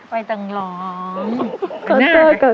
อย่าต้องร้อง